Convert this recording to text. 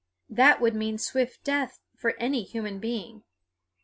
That would mean swift death for any human being.